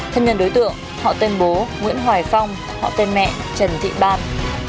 thân nhân đối tượng họ tên bố nguyễn hoài phong họ tên mẹ trần thị ban